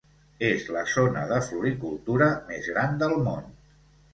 És la zona de floricultura més gran del món.